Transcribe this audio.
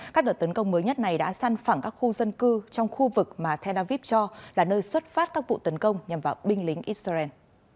các đợt tấn công mới nhất này đã săn phẳng các khu dân cư trong khu vực mà tel aviv cho là nơi xuất phát các vụ tấn công nhằm vào binh lính israel